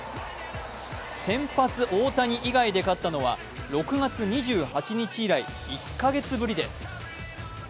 先発・大谷以外で勝ったのは６月２８日以来、１カ月ぶりです。